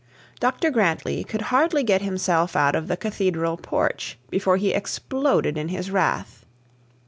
Dr Grantly could hardly get himself out of the cathedral porch before he exploded in his wrath.